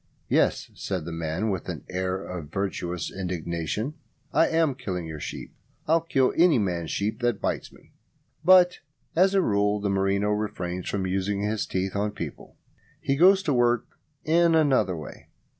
"Yes," said the man, with an air of virtuous indignation. "I am killing your sheep. I'll kill any man's sheep that bites me!" But as a rule the merino refrains from using his teeth on people. He goes to work in another way.